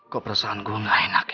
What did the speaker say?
kok perasaan gue gak enak ya